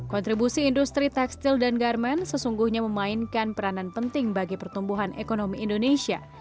kontribusi industri tekstil dan garmen sesungguhnya memainkan peranan penting bagi pertumbuhan ekonomi indonesia